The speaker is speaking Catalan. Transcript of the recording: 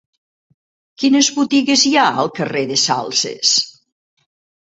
Quines botigues hi ha al carrer de Salses?